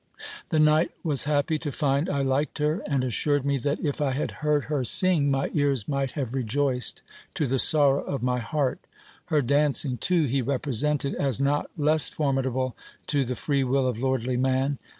The knight was happy to find I liked her, and assured me that if I had heard her sing, my ears might have rejoiced to the sorrow of my heart. Her dancing, too, he represented as not less formidable to the free will of lordly man.